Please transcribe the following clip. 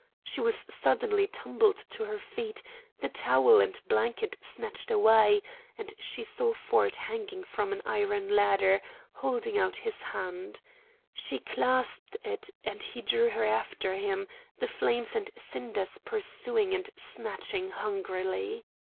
She was suddenly tumbled to her feet, the towel and blanket snatched away, and she saw Ford hanging from an iron ladder holding out his hand. She clasped it, and he drew her after him, the flames and cinders pursuing and snatching hungrily.